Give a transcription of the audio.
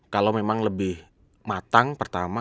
kalau memang lebih matang pertama